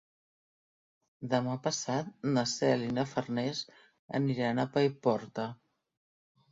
Demà passat na Cel i na Farners aniran a Paiporta.